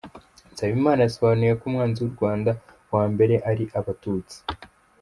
Nsabimana yasobanuye ko umwanzi w’u Rwanda wa mbere ari Abatutsi.